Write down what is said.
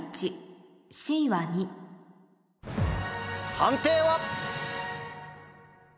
判定は？